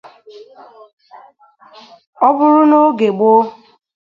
ọ bụrụ n'oge gboo